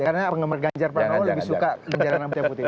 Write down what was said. karena saya penggemar ganjar pranowo lebih suka linjaran rambutnya putih